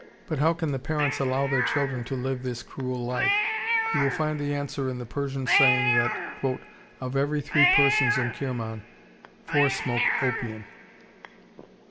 But how can the parents allow their children to live this cruel life? You will find the answer in the Persian saying that "of every three persons in Kirman, four smoke opium."...